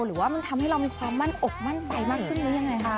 หรือว่ามันทำให้เรามีความมั่นอกมั่นใจมากขึ้นหรือยังไงคะ